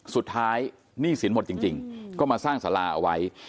หนี้สินหมดจริงก็มาสร้างสาราเอาไว้